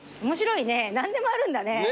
何でもあるんだね。